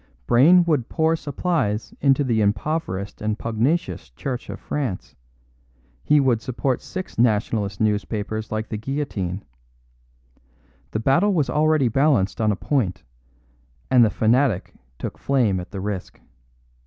Brayne would pour supplies into the impoverished and pugnacious Church of France; he would support six Nationalist newspapers like The Guillotine. The battle was already balanced on a point, and the fanatic took flame at the risk.